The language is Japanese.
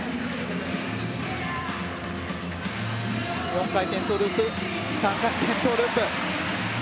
４回転トウループ３回転トウループ。